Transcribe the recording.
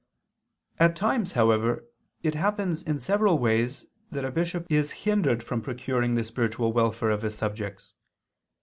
At times, however, it happens in several ways that a bishop is hindered from procuring the spiritual welfare of his subjects.